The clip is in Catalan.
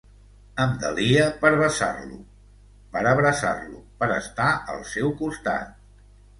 Em delia per besar-lo, per abraçar-lo, per estar al seu costat.